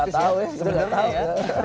sudah gak tahu ya sebenarnya